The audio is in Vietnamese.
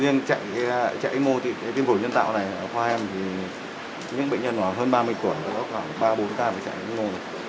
riêng chạy x mo tương phổ nhân tạo này ở khoa em thì những bệnh nhân có hơn ba mươi tuổi thì có khoảng ba bốn ca phải chạy x mo